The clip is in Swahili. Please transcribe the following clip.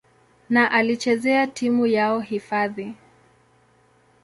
na alichezea timu yao hifadhi.